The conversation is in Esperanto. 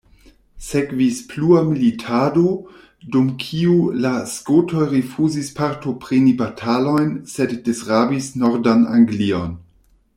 Sekvis plua militado, dum kiu la skotoj rifuzis partopreni batalojn, sed disrabis nordan Anglion.